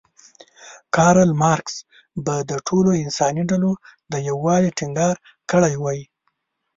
کارل مارکس به د ټولو انساني ډلو د یووالي ټینګار کړی وی.